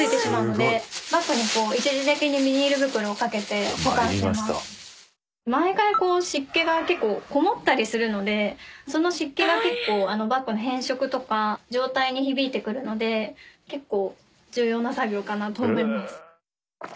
すごい。毎回湿気が結構こもったりするのでその湿気が結構バッグの変色とか状態に響いてくるので結構重要な作業かなと思います。